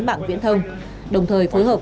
mạng viễn thông đồng thời phối hợp